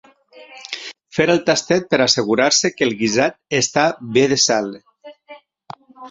Fer el tastet per assegurar-se que el guisat està bé de sal.